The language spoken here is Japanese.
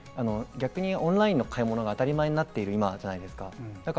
オンラインの買い物が当たり前になっている今じゃないですか。